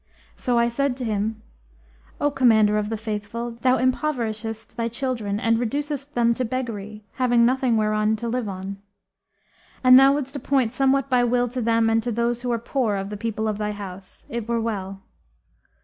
So I said to him, 'O Commander of the Faithful, thou impoverishest thy children and reducest them to beggary having nothing whereon to live. An thou wouldst appoint somewhat by will to them; and to those who are poor of the people of thy house, it were well.'